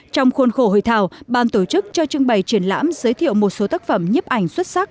trong khuôn khổ hội thảo ban tổ chức cho trưng bày triển lãm giới thiệu một số tác phẩm nhiếp ảnh xuất sắc